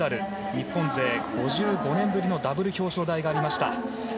日本勢、５５年ぶりのダブル表彰台がありました。